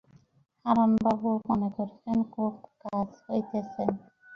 হারানবাবু মনে করিলেন, খুব কাজ হইতেছে।